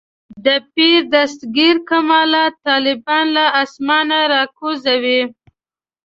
د پیر دستګیر کمالات طالبان له اسمانه راکوزوي.